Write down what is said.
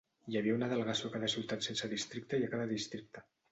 Hi havia una delegació a cada ciutat sense districte i a cada districte.